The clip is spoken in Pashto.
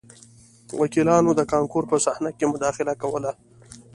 وکیلانو د کانکور په صحنه کې مداخله کوله